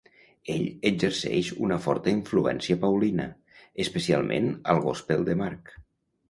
Ell exerceix una forta influència paulina, especialment al gospel de Mark.